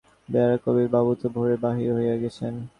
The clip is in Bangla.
বেহারা কহিল, বাবু তো ভোরে বাহির হইয়া গেছেন।